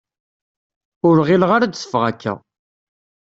Ur ɣileɣ ara ad d-teffeɣ akka.